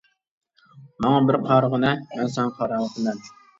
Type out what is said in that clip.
ماڭا بىر قارىغىنا، مەن ساڭا قاراۋاتىمەن.